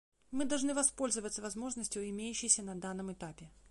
Мы должны воспользоваться возможностью, имеющейся на данном этапе.